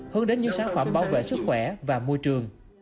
hơn đến những sản phẩm bảo vệ sức khỏe và môi trường